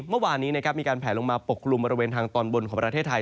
เมื่อวานนี้นะครับมีการแผลลงมาปกกลุ่มบริเวณทางตอนบนของประเทศไทย